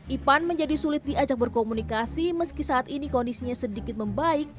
ipan menjadi sulit diajak berkomunikasi meski saat ini kondisinya sedikit membaik